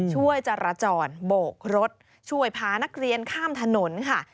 จรจรโบกรถช่วยพานักเรียนข้ามถนนค่ะ